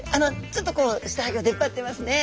ちょっとこう下顎出っ張ってますね。